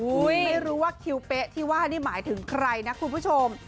ไม่รู้ว่าคิวเป๊ะที่ว่านี่หมายถึงใครนะคุณผู้ชม